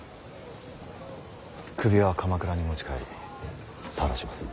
首は鎌倉に持ち帰りさらします。